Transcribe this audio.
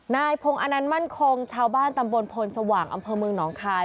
นายพงศ์อนันต์มั่นคงชาวบ้านตำบลพลสว่างอำเภอเมืองหนองคาย